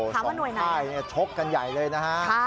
ว่าหน่วยไหนใช่ชกกันใหญ่เลยนะฮะ